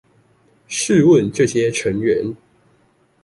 試問這些成員